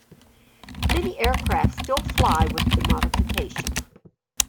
Many aircraft still fly with the modification.